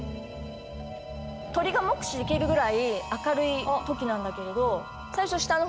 鳥が目視できるぐらい明るい時なんだけれど最初下の方に。